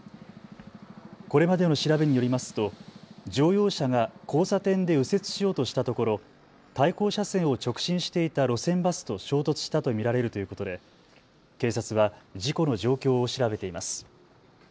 これまでの調べによりますと乗用車が交差点で右折しようとしたところ対向車線を直進していた路線バスと衝突したと見られるということで警察は事故の状況を調べています。